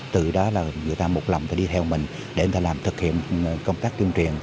từ đó là người ta một lòng tôi đi theo mình để người ta làm thực hiện công tác tuyên truyền